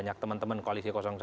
banyak teman teman koalisi satu